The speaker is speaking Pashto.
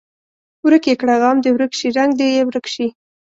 ورک یې کړه غم دې ورک شي رنګ دې یې ورک شي.